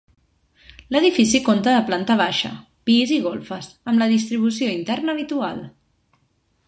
L'edifici conta de planta baixa, pis i golfes, amb la distribució interna habitual.